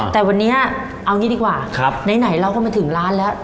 แต่วันนี้เอางี้ดีกว่าไหนเราก็มาถึงร้านแล้ว